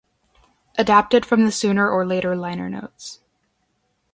Adapted from the "Sooner or Later" liner notes.